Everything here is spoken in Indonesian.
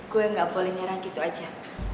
gue gak boleh nyerah gitu aja